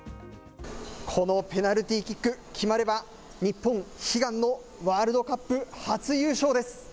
このペナルティーキック、決まれば日本、悲願のワールドカップ初優勝です。